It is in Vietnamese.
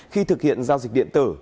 khi thực hiện giao dịch điện tử